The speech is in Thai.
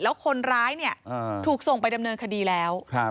แล้วคนร้ายเนี่ยถูกส่งไปดำเนินคดีแล้ว